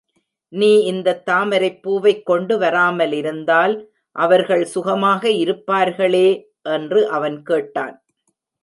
நீ இந்தத் தாமரைப்பூவைக் கொண்டு வராமலிருந்தால் அவர்கள் சுகமாக இருப்பார்களே! என்று அவன் கேட்டான்.